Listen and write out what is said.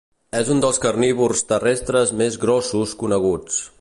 És un dels carnívors terrestres més grossos coneguts.